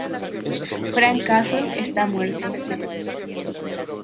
Frank Castle está muerto.